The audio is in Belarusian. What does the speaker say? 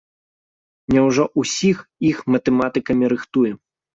Няўжо ўсіх іх матэматыкамі рыхтуем?